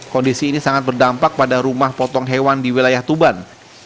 kondisi ini sangat berdampak pada rumah potong hewan di wilayah tuban